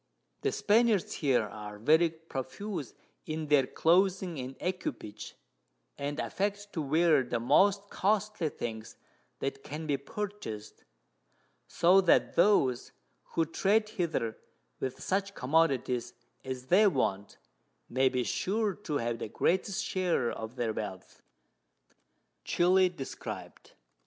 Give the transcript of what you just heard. The Spaniards here are very profuse in their Clothing and Equipage, and affect to wear the most costly things that can be purchas'd; so that those who trade hither with such Commodities as they want, may be sure to have the greatest Share of their Wealth. Chili describ'd. [Sidenote: _Chili Described.